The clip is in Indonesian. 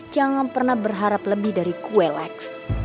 jangan pernah berharap lebih dari kue lex